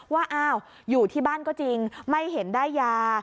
ว่าอ้าวอยู่ที่บ้านก็จริงไม่เห็นได้ยา